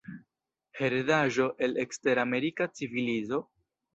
Heredaĵo el eksteramerika civilizo?